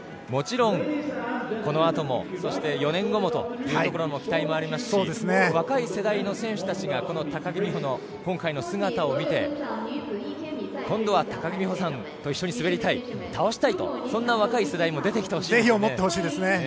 もちろんこのあとも４年後もという期待もありますし若い世代の選手たちがこの高木美帆の今回の姿を見て、今度は高木美帆さんと一緒に滑りたい倒したいと、そんな若い世代も出てきてほしいですね。